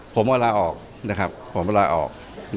ในมุมถ้าเป็นผมนะครับผมว่าลาออก